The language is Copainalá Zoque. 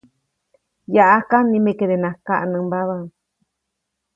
Yaʼajka nimekedenaʼajk kaʼnämba.